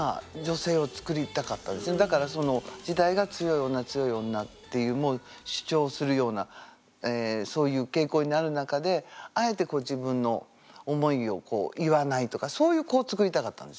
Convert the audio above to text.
だからその時代が強い女強い女っていうもう主張するようなそういう傾向にある中であえてそういう子をつくりたかったんですよ。